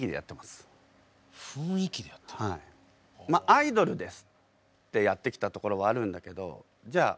「アイドルです」でやってきたところはあるんだけどじゃあ